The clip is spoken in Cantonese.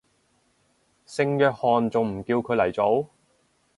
聖約翰仲唔叫佢嚟做